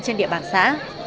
trên địa bàn xã